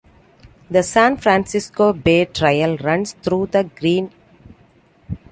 The San Francisco Bay Trail runs through the green.